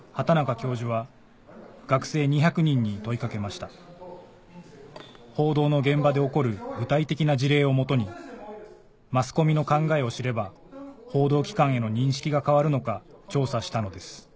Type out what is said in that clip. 教授は学生２００人に問い掛けました報道の現場で起こる具体的な事例をもとにマスコミの考えを知れば報道機関への認識が変わるのか調査したのです